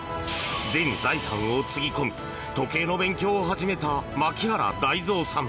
全財産をつぎ込み時計の勉強を始めた牧原大造さん。